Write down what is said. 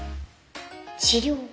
治療。